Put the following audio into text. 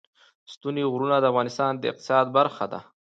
ستوني غرونه د افغانستان د اقتصاد برخه ده.